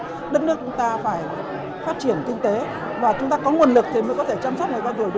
phát triển kinh tế và chúng ta có nguồn lực thì mới có thể chăm sóc người cao tuổi được